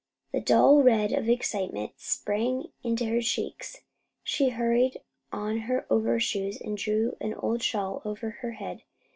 The dull red of excitement sprang into her cheeks. She hurried on her overshoes, and drew an old shawl over her head.